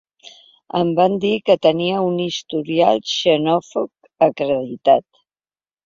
En va dir que tenia ‘un historial xenòfob acreditat’.